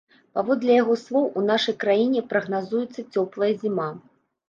Паводле яго слоў, у нашай краіне прагназуецца цёплая зіма.